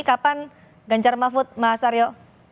kapan ganjar mahfud mas aryo